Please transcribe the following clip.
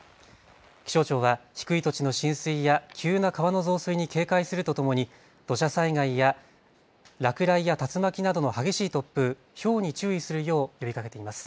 気象庁は低い土地の浸水や急な川の増水に警戒するとともに土砂災害や落雷や竜巻などの激しい突風、ひょうに注意するよう呼びかけています。